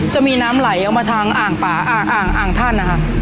จะมีน้ำไหลเอาทางอ่างท่าน